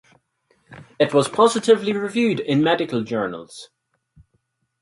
It was positively reviewed in medical journals.